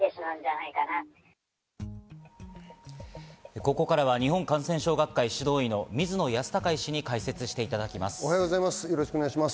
ここからは日本感染症学会・指導医の水野泰孝医師に解説していただきます。